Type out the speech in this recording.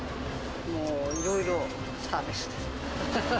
もういろいろサービスです。